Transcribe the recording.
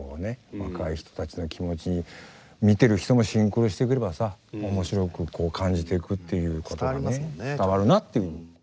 若い人たちの気持ちに見てる人もシンクロしてくればさ面白く感じていくっていうことがね伝わるなっていうふうに。